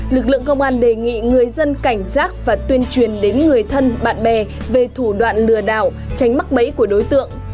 lực lượng công an đề nghị người dân cảnh giác và tuyên truyền đến người thân bạn bè về thủ đoạn lừa đảo tránh mắc bẫy của đối tượng